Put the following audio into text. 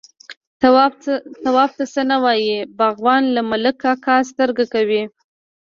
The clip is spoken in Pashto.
_تواب ته څه نه وايي، باغوان، له ملک کاکا سترګه کوي.